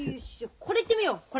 これいってみようこれ。